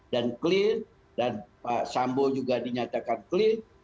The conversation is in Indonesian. dan clear dan pak sambu juga dinyatakan clear